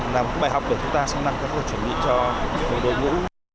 làm các bài học của chúng ta sẽ làm các cuộc chuẩn bị cho đối ngũ